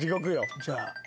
じゃあ。